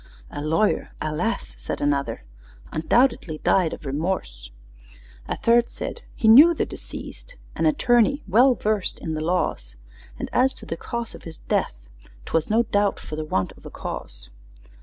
"A lawyer? Alas!" said another, "Undoubtedly died of remorse!" A third said, "He knew the deceased, An attorney well versed in the laws, And as to the cause of his death, 'Twas no doubt for the want of a cause."